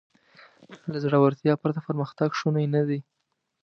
له زړهورتیا پرته پرمختګ شونی نهدی.